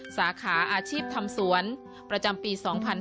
สาขาอาชีพธรรมสวนประจำปี๒๕๔๐